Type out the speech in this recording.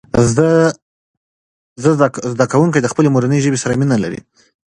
زده کوونکي د خپلې مورنۍ ژبې سره مینه لري.